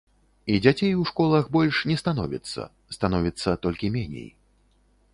І дзяцей у школах больш не становіцца, становіцца толькі меней.